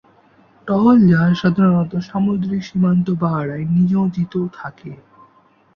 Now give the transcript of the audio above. টহল জাহাজ সাধারনত সামুদ্রিক সীমান্ত পাহারায় নিয়োজিত থাকে।